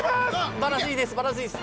バランスいいです。